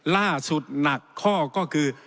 ล่าสุดหนักข้อก็คือ